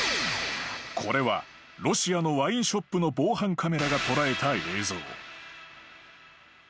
［これはロシアのワインショップの防犯カメラが捉えた映像］